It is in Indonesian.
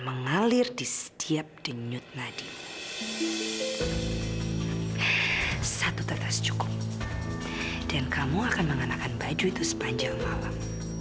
mengalir di setiap denyut nadi satu tetas cukup dan kamu akan mengenakan baju itu sepanjang malam